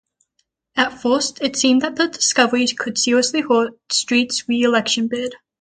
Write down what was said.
At first, it seemed that the discovery could seriously hurt Street's re-election bid.